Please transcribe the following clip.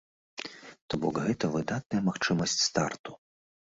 То бок гэта выдатная магчымасць старту.